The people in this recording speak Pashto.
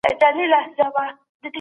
يو سړی په ټولني کي د عزت ژوند کوي.